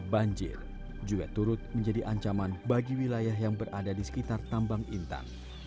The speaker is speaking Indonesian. banjir juga turut menjadi ancaman bagi wilayah yang berada di sekitar tambang intan